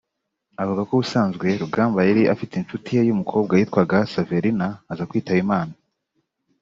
Avuga ko ubusanzwe Rugamba yari afite inshuti ye y’umukobwa yitwaga Saverina aza kwitaba Imana